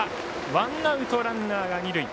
ワンアウト、ランナーが二塁。